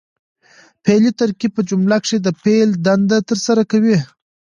فعلي ترکیب په جمله کښي د فعل دنده ترسره کوي.